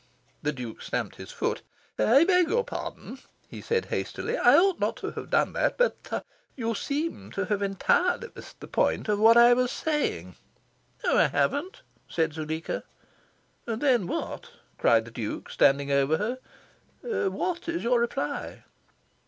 The Duke stamped his foot. "I beg your pardon," he said hastily. "I ought not to have done that. But you seem to have entirely missed the point of what I was saying." "No, I haven't," said Zuleika. "Then what," cried the Duke, standing over her, "what is your reply?"